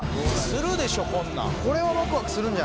するでしょこんなん。